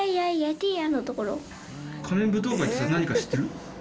仮面舞踏会って何か知ってる？